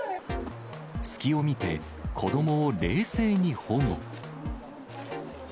隙を見て、子どもを冷静に保護。